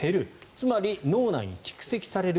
つまり、脳内に蓄積される。